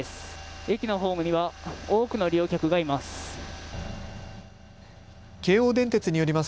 駅のホームには多くの利用客がいます。